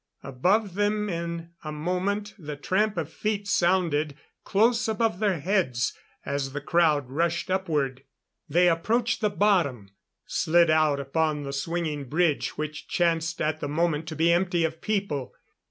Above them in a moment the tramp of feet sounded close above their heads as the crowd rushed upward. They approached the bottom, slid out upon a swinging bridge which chanced at the moment to be empty of people.